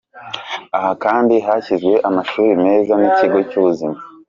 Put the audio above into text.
Aha kandi hashyizwe amashuri meza n'ikigo cy'ubuzima.